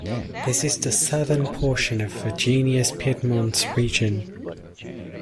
This is the southern portion of Virginia's Piedmont region.